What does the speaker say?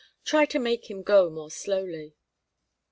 Try to make him go more slowly."